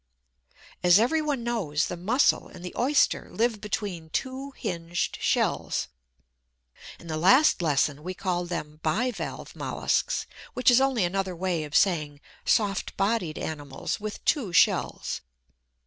As everyone knows, the Mussel and the Oyster live between two hinged shells. In the last lesson we called them bi valve molluscs, which is only another way of saying "soft bodied animals with two shells."